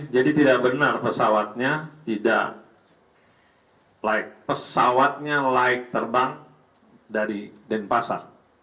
jadi tidak benar pesawatnya tidak pesawatnya laik terbang dari denpasar